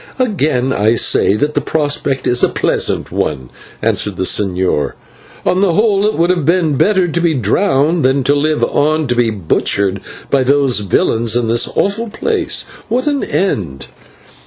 "Again I say that the prospect is a pleasant one," answered the señor. "On the whole it would have been better to be drowned than to live on to be butchered by those villains in this awful place. What an end!"